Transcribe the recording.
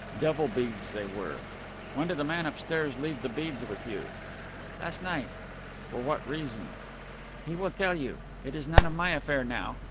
Devil beads they were. "When did the man upstairs leave the beads with you?" "Last night." "For what reason?" "He will tell you. It is none of my affair now."